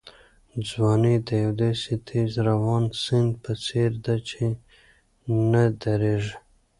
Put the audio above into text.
ځواني د یو داسې تېز روان سیند په څېر ده چې نه درېږي.